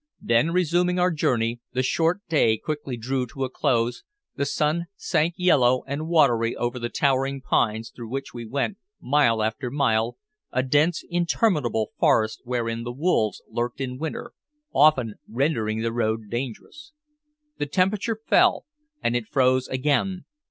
Then, resuming our journey, the short day quickly drew to a close, the sun sank yellow and watery over the towering pines through which we went mile after mile, a dense, interminable forest wherein the wolves lurked in winter, often rendering the road dangerous. The temperature fell, and it froze again.